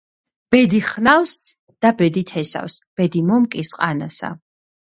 ბედი ხნავს და ბედი თესავს, ბედი მომკის ყანასა